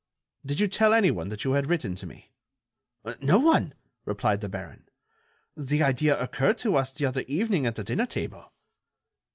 "Did you tell anyone that you had written to me?" "No one," replied the baron. "The idea occurred to us the other evening at the dinner table."